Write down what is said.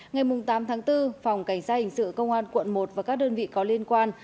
ngày tám tháng bốn phòng cảnh sát hình sự công an quận một và các đơn vị có liên quan